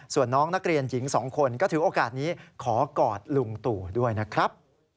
ส่วนน้องนักเรียนหญิง๒คนก็ถือโอกาสนี้ขอกอดลุงตู่ด้วยนะครับ